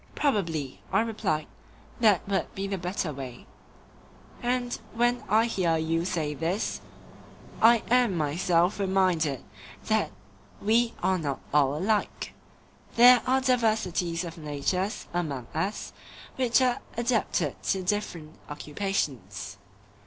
Probably, I replied, that would be the better way; and when I hear you say this, I am myself reminded that we are not all alike; there are diversities of natures among us which are adapted to different occupations.